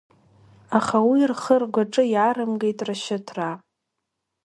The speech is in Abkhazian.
Аха уи рхы-ргәаҿы иаарымгеит Рашьыҭраа.